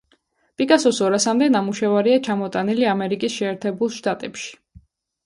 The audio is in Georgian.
პიკასოს ორასამდე ნამუშევარია ჩამოტანილი ამერიკის შეერთებულ შტატებში.